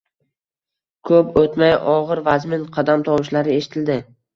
Ko`p o`tmay og`ir-vazmin qadam tovushlari eshitildi